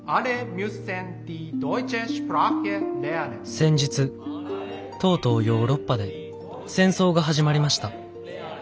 「先日とうとうヨーロッパで戦争が始まりました。